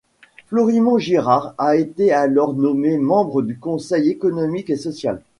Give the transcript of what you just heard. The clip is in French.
Florimond Girard a été alors nommé membre du Conseil économique et social.